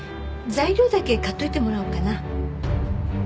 材料だけ買っといてもらおうかな。